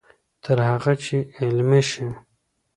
تر هغه چې عملي شي.